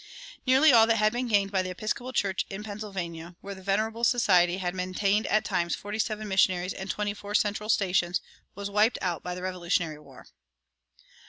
Nearly all that had been gained by the Episcopal Church in Pennsylvania, where the "Venerable Society" had maintained at times forty seven missionaries and twenty four central stations, was wiped out by the Revolutionary War.